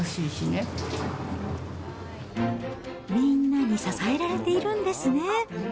みんなに支えられているんですね。